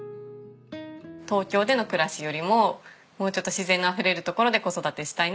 東京での暮らしよりももうちょっと自然のあふれる所で子育てしたいな。